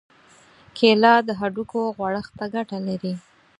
کېله د هډوکو غوړښت ته ګټه لري.